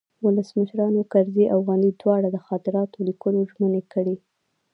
ولسمشرانو کرزي او غني دواړو د خاطراتو د لیکلو ژمني کړې